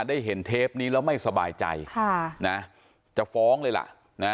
ได้เห็นเทปนี้แล้วไม่สบายใจจะฟ้องเลยล่ะ